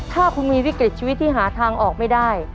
ถ้าคุณมีวิกฤตชีวิตที่หาทางออกไม่ได้